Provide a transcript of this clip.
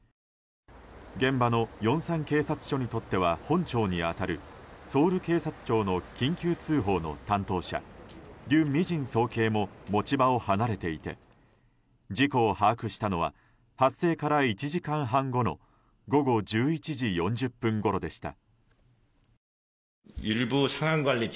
現場のヨンサン警察署にとっては本庁に当たるソウル警察庁の緊急通報の担当者リュ・ミジン総警も持ち場を離れていて事故を把握したのは発生から１時間半後の午後１１時４０分ごろでした。